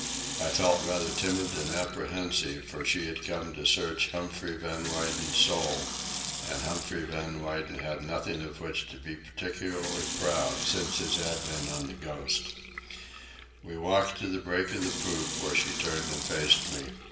I felt rather timid and apprehensive, for she had come to search Humphrey Van Weyden's soul, and Humphrey Van Weyden had nothing of which to be particularly proud since his advent on the Ghost. We walked to the break of the poop, where she turned and faced me.